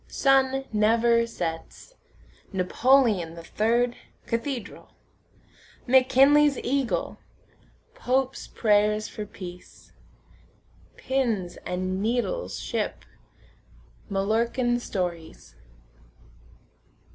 Sun never sets. Napoleon the third, cathedral. McKinley's eagle. Pope's prayers for peace. Pins and needles ship. Mallorcan stories.